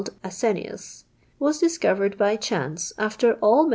l Ai^canius — was discovered by chance, after all Hit.'